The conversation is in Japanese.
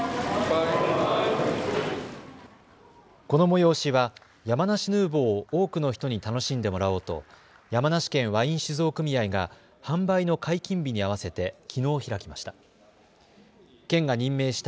この催しは山梨ヌーボーを多くの人に楽しんでもらおうと山梨県ワイン酒造組合が販売の解禁日に合わせてきのう開きました。